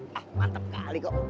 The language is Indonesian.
hah mantep kali kok